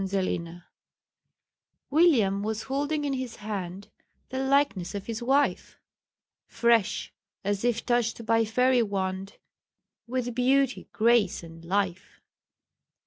The Miniature. William was holding in his hand The likeness of his wife! Fresh, as if touched by fairy wand, With beauty, grace, and life.